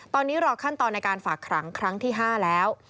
ตอนนี้รอขั้นตอนในการฝากขังครั้งที่๕แล้ว